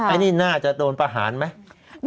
อันนี้น่าจะโดนประหารไหม